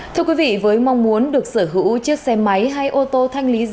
thưa quý vị với mong muốn được sở hữu chiếc xe máy hay ô tô thanh lý giả